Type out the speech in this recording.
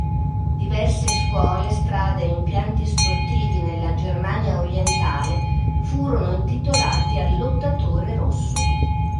Diverse scuole, strade e impianti sportivi nella Germania orientale, furono intitolati al "lottatore rosso".